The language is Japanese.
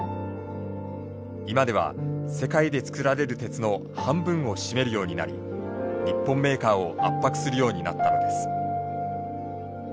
今では世界でつくられる鉄の半分を占めるようになり日本メーカーを圧迫するようになったのです。